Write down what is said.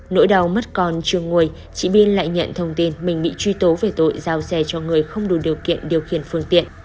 nỗi đau mất con chưa ngồi chị biên lại nhận thông tin mình bị truy tố về tội giao xe cho người không đủ điều kiện điều khiển phương tiện